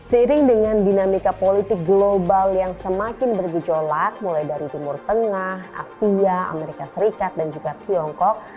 seiring dengan dinamika politik global yang semakin bergejolak mulai dari timur tengah asia amerika serikat dan juga tiongkok